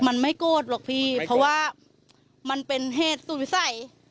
มันไม่โกรธหรอกพี่เพราะว่ามันเป็นเหตุสูตรวิสัย